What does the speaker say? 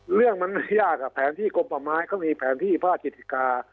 เรื่องมันไม่ยากแผนที่กลมป่าไม้เขามีแผนที่ภาคจิติกา